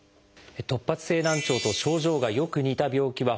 突発性難聴と症状がよく似た病気はほかにもあります。